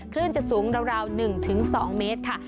คลื่นจะสูงราว๑๒เมตรค่ะ